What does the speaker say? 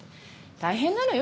大変なのよ